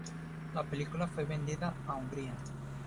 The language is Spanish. La película fue vendida a Hungría.